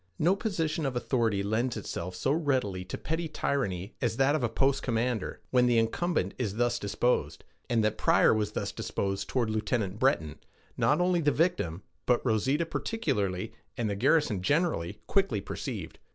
No position of authority lends itself so readily to petty tyranny as that of a post commander, when the incumbent is thus disposed; and that Pryor was thus disposed toward Lieutenant Breton, not only the victim, but Rosita particularly, and the garrison generally, quickly perceived.